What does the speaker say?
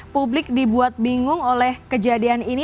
publik dibuat bingung oleh kejadian ini